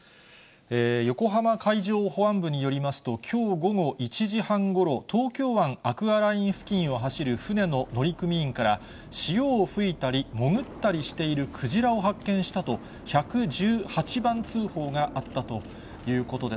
横浜海上保安部によりますと、きょう午後１時半ごろ、東京湾アクアライン付近を走る船の乗組員から、潮を吹いたり、潜ったりしているクジラを発見したと、１１８番通報があったということです。